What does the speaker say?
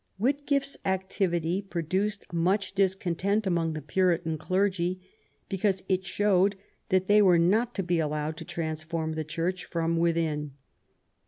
Whitgift's activity produced much discontent among the Puritan clergy, because it showed that they were not to be allowed to transform the Church from within.